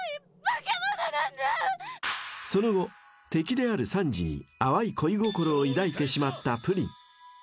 ［その後敵であるサンジに淡い恋心を抱いてしまったプリン］